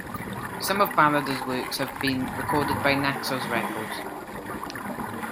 Some of Balada's works have been recorded by Naxos Records.